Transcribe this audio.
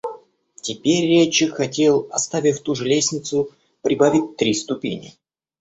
Теперь рядчик хотел, оставив ту же лестницу, прибавить три ступени.